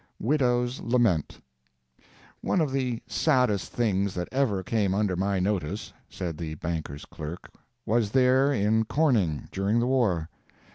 [WIDOW'S LAMENT] One of the saddest things that ever came under my notice (said the banker's clerk) was there in Corning, during the war.